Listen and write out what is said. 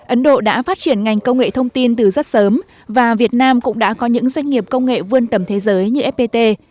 ấn độ đã phát triển ngành công nghệ thông tin từ rất sớm và việt nam cũng đã có những doanh nghiệp công nghệ vươn tầm thế giới như fpt